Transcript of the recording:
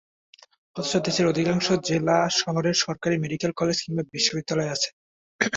অথচ দেশের অধিকাংশ জেলা শহরে সরকারি মেডিকেল কলেজ কিংবা বিশ্ববিদ্যালয় আছে।